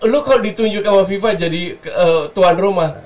lu kok ditunjuk sama fifa jadi tuan rumah